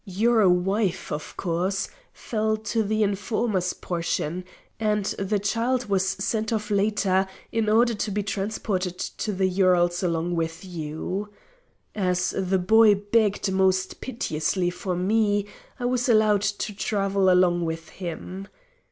Your wife, of course, fell to the informer's portion, and the child was sent off later in order to be transported to the Urals along with you. As the boy begged most piteously for me I was allowed to travel along with him.